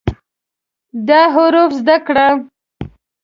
دا حروف زده کړه